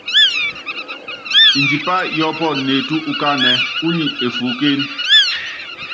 Ndipá yɔɔ́pɔnɔ neetú ukáánɛ́, únyi efuúkéne.